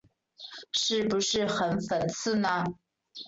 是不是很讽刺呢？